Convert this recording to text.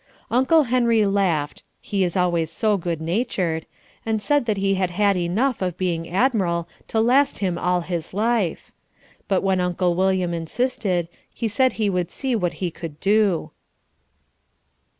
Uncle Henry laughed (he is always so good natured) and said that he had had enough of being Admiral to last him all his life. But when Uncle William insisted, he said he would see what he could do.